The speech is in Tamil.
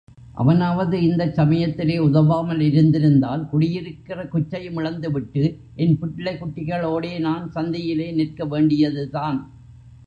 அவனாவது இந்தச் சமயத்திலே உதவாமல் இருந்திருந்தால் குடியிருக்கிற குச்சையும் இழந்துவிட்டு என் பிள்ளைகுட்டிகளோட நான் சந்தியிலே நிற்கவேண்டியதுதான்.